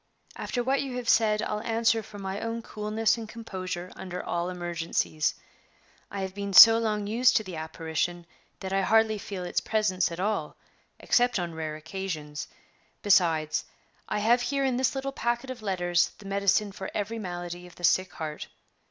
After what you have said, I'll answer for my own coolness and composure under all emergencies. I have been so long used to the apparition that I hardly feel its presence at all except on rare occasions. Besides, I have here in this little packet of letters the medicine for every malady of the sick heart.